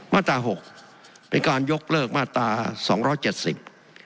มาตราหกเป็นการยกเลิกมาตราสองร้อยเจ็ดสิบ